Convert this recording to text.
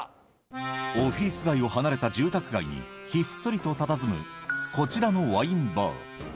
オフィス街を離れた住宅街にひっそりとたたずむこちらのワインバー